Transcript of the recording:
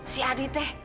si adi teh